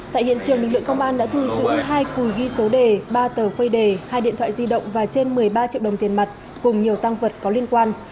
tại hiện trường lực lượng công an đã thu giữ hai cùi ghi số đề ba tờ phơi đề hai điện thoại di động và trên một mươi ba triệu đồng tiền mặt cùng nhiều tăng vật có liên quan